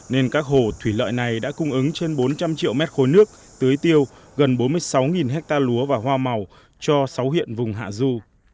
nên các hồ thủy lợi này đã cung ứng trên bốn trăm linh triệu mét khối nước tưới tiêu gần bốn mươi sáu ha lúa và hoa màu cho sáu huyện vùng hạ du